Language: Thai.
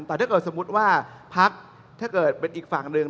แต่ถ้าเกิดสมมุติว่าพักถ้าเกิดเป็นอีกฝั่งหนึ่ง